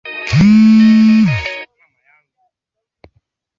kwani wanamuziki wengi huamasisha mambo mengi katika jamii